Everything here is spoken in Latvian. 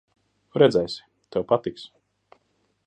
Redzēsi, tev patiks.